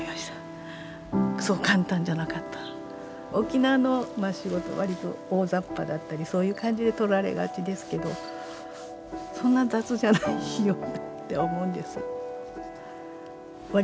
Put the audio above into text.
沖縄の仕事割と大ざっぱだったりそういう感じでとられがちですけどそんな雑じゃないよなって思うんです。